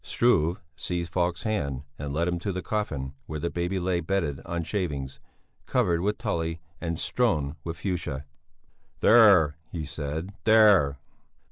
Struve seized Falk's hand and led him to the coffin where the baby lay bedded on shavings, covered with tulle, and strewn with fuchsias. "There!" he said, "there!"